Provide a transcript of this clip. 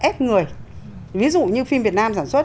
ép người ví dụ như phim việt nam sản xuất